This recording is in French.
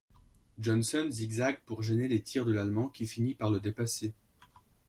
Johnson zigzague pour gêner les tirs de l'allemand qui finit par le dépasser.